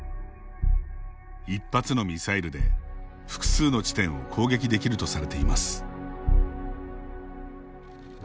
一発のミサイルで複数の地点を攻撃できるとされています。